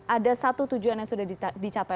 ada satu tujuan yang sudah dicapai